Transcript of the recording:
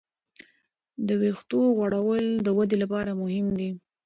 د وېښتو غوړول د ودې لپاره مهم دی.